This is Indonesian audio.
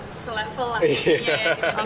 sesuai dan se level lah